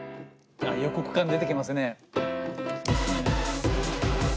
あ予告感出てきますね。